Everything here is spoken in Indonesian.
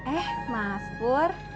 eh mas pur